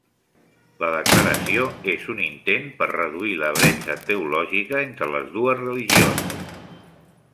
La declaració és un intent per reduir la bretxa teològica entre les dues religions.